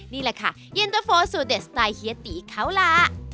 นี่แหละค่ะเย็นตะโฟสูตเด็ดสไตล์เฮียตีเขาล่ะ